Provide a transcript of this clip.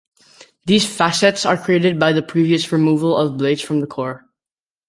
These facets are created by the previous removal of blades from the core.